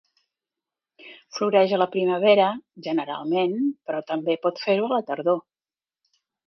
Floreix a la primavera, generalment, però també pot fer-ho a la tardor.